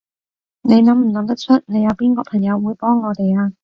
你諗唔諗得出，你有邊個朋友會幫我哋啊？